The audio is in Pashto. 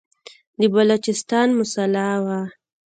د بلوچستان مسله وه.